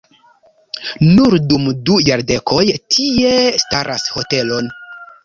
Nur dum du jardekoj tie staras hotelon.